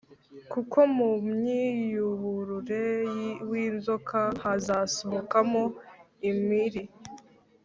kuko mu mwiyuburure w’inzoka hazasohokamo impiri,